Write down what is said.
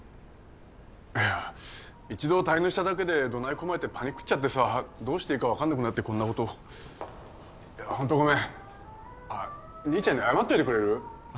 いや一度滞納しただけで怒鳴り込まれてパニクッちゃってさどうしていいか分かんなくなってこんなことをいやホントごめんあっにいちゃんに謝っといてくれる？